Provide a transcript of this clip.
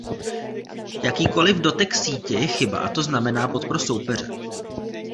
Jakýkoliv dotek sítě je chyba a to znamená bod pro soupeře.